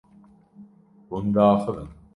Hûn diaxivin.